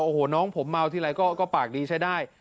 โอ้โหน้องผมเมาทีไรก็ปากดีใช้ได้